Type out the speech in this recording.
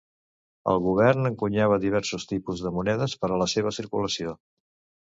El govern encunyava diversos tipus de monedes per a la seva circulació.